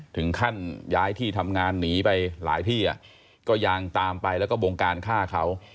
ถึงขั้นย้ายที่ทำงานหนีไปหลายที่ก็ยังตามไปแล้วก็บงการฆ่าเขา